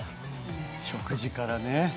食事からね。